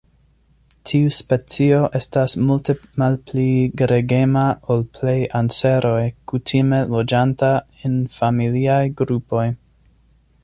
Tiu specio estas multe malpli gregema ol plej anseroj, kutime loĝanta en familiaj grupoj.